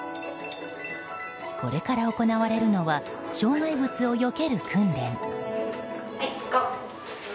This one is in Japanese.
これから行われるのは障害物をよける訓練。